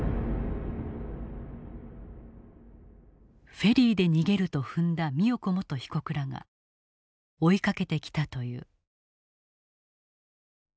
フェリーで逃げると踏んだ美代子元被告らが追いかけてきたという。